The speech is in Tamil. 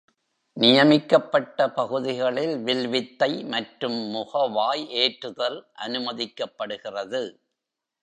நியமிக்கப்பட்ட பகுதிகளில் வில்வித்தை மற்றும் முகவாய் ஏற்றுதல் அனுமதிக்கப்படுகிறது.